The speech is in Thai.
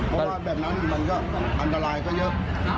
เพราะว่าแบบนั้นมันก็อันตรายก็เยอะ